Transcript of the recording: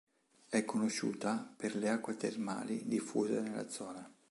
È conosciuta per le acque termali diffuse nella zona.